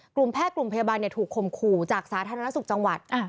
กลุ่มแพทย์กลุ่มพยาบาลถูกข่มขู่จากสาธารณสุขจังหวัด